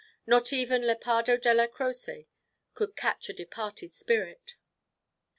Not even Lepardo Della Croce could catch a departed spirit.